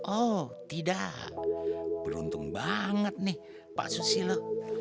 oh tidak beruntung banget nih pak susilo